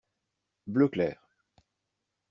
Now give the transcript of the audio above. Bleu clair.